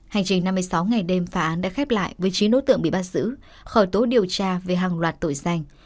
hành trình năm mươi sáu ngày đêm phá án đã khép lại với chín đối tượng bị bắt giữ khởi tố điều tra về hàng loạt tội danh